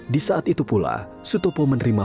di saat itu pula sutopo menerima